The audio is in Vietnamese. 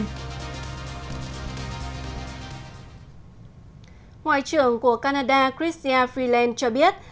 ngoại trưởng của canada chrystia freeland cho biết